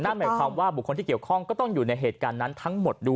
นั่นหมายความว่าบุคคลที่เกี่ยวข้องก็ต้องอยู่ในเหตุการณ์นั้นทั้งหมดด้วย